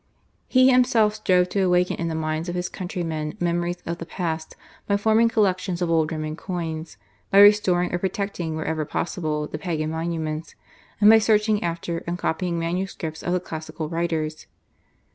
He himself strove to awaken in the minds of his countrymen memories of the past by forming collections of old Roman coins, by restoring or protecting wherever possible the Pagan monuments, and by searching after and copying manuscripts of the classical writers.